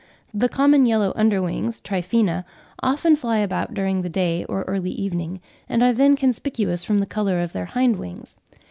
The common Yellow Under wings (Triphaena) often fly about during the day or early evening, and are then conspicuous from the colour of their hind wings.